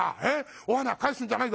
お花帰すんじゃないぞ。